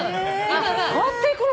変わっていくの？